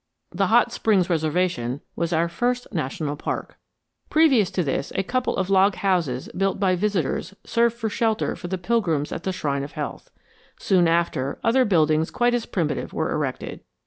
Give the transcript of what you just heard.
The Hot Springs Reservation was our first national park. Previous to this a couple of log houses built by visitors served for shelter for the pilgrims at the shrine of health. Soon after, other buildings quite as primitive were erected.